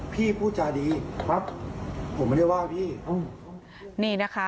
พี่พูดจาดีครับผมไม่ได้ว่าพี่อืมนี่นะคะ